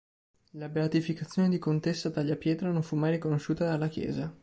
La beatificazione di Contessa Tagliapietra non fu mai riconosciuta dalla Chiesa.